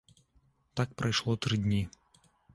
Так прайшло тры дні.